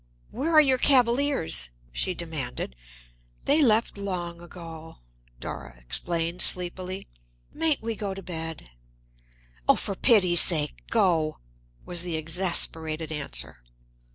"Where are your cavaliers?" she demanded. "They left long ago," Dora explained sleepily. "Mayn't we go to bed?" "Oh, for pity's sake go!" was the exasperated answer.